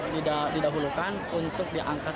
didahulukan untuk diangkat